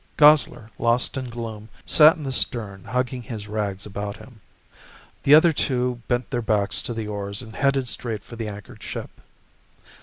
Gosler, lost in gloom, sat in the stern hugging his rags about him. The other two bent their backs to the oars and headed straight for the anchored ship.